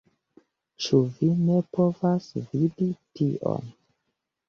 Ĉu vi ne povas vidi tion?!